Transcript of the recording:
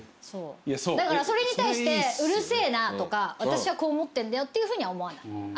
だからそれに対してうるせえなとか私はこう思ってんだよっていうふうには思わない。